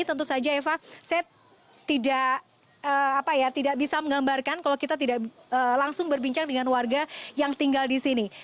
tentu saja eva saya tidak bisa menggambarkan kalau kita tidak langsung berbincang dengan warga yang tinggal di sini